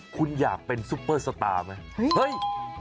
คุณอยากเป็นซุปเปอร์สตาร์ไหม